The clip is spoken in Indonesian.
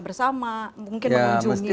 bersama mungkin mengunjungi ya mesti